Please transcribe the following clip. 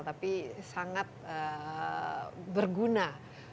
tapi sangat berguna